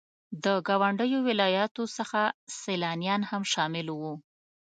له ګاونډيو ولاياتو څخه سيلانيان هم شامل وو.